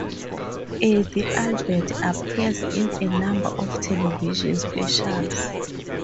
Eddie Albert appears in a number of television specials.